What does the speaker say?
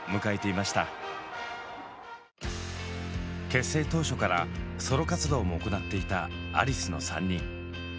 結成当初からソロ活動も行っていたアリスの３人。